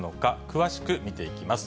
詳しく見ていきます。